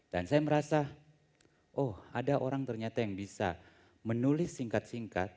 saya merasa oh ada orang ternyata yang bisa menulis singkat singkat